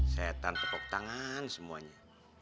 setan tepuk tangan semuanya